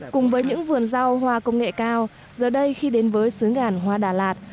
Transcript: cùng với những vườn rau hoa công nghệ cao giờ đây khi đến với xứ ngàn hoa đà lạt